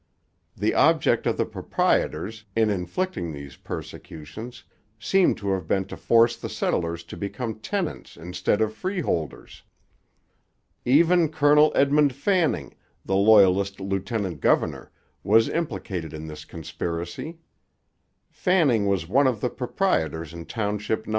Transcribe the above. The object of the proprietors, in inflicting these persecutions, seems to have been to force the settlers to become tenants instead of freeholders. Even Colonel Edmund Fanning, the Loyalist lieutenant governor, was implicated in this conspiracy. Fanning was one of the proprietors in Township No.